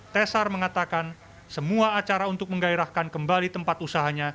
tesar mengatakan semua acara untuk menggairahkan kembali tempat usahanya